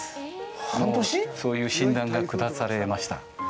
そういう診断が下されました。